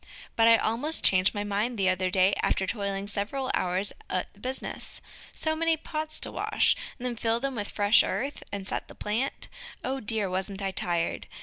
But I almost changed my mind the other day after toiling several hours at the business. So many pots to wash! then fill with fresh earth, and set the plant. O dear, wasn't I tired!